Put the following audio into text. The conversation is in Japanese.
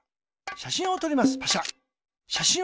しゃしんをとりますパシャ。